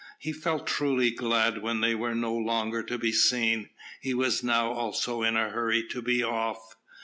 He felt truly glad when they were no longer to be seen. He was now also in a hurry to be off.